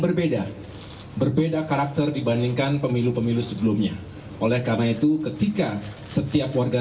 berbeda berbeda karakter dibandingkan pemilu pemilu sebelumnya oleh karena itu ketika setiap warga